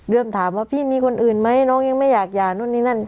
ถามว่าพี่มีคนอื่นไหมน้องยังไม่อยากหย่านู่นนี่นั่น